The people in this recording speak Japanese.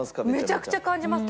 めちゃくちゃ感じます。